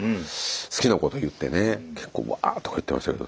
好きなこと言ってね結構ワーとか言ってましたけど。